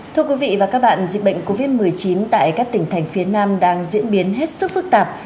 thưa quý vị và các bạn dịch bệnh covid một mươi chín tại các tỉnh thành phía nam đang diễn biến hết sức phức tạp